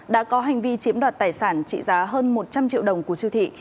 đã có hành vi chiếm đoạt tài sản trị giá hơn một trăm linh triệu đồng của siêu thị